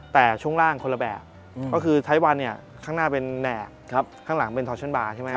แต่ช่วงล่างคนละแบบก็คือไทท์วันข้างหน้าเป็นแหน่กข้างหลังเป็นทอชั่นบาร์